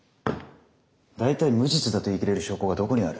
大体無実だと言い切れる証拠がどこにある？